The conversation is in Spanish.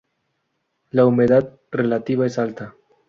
La humedad relativa es alta.